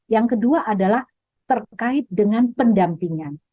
yang kedua adalah terkait dengan pendampingan